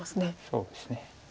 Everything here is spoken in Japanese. そうですね。